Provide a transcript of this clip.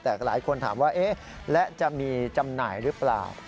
แต่หลายคนถามว่าเอ๊ะและจะมีจำหน่ายหรือเปล่า